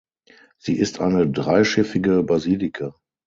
Sie ist eine dreischiffige Basilika.